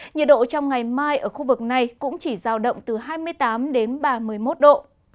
nhiệt độ trong ngày mai ở khu vực này cũng chỉ giao động từ hai mươi tám đến ba mươi một độ